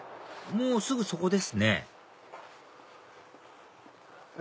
もうすぐそこですねえ